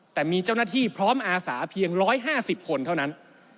แต่มีเจ้าหน้าที่พร้อมอาสาเพียง๑๕๐คนเท่านั้น